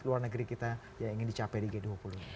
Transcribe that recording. luar negeri kita yang ingin dicapai di g dua puluh ini